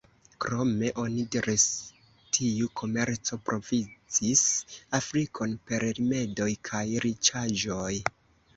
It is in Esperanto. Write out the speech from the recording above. Krome, oni diris, tiu komerco provizis Afrikon per rimedoj kaj riĉaĵoj.